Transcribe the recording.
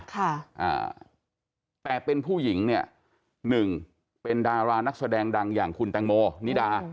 ค่ะอ่าแต่เป็นผู้หญิงเนี่ยหนึ่งเป็นดารานักแสดงดังอย่างคุณแตงโมนิดา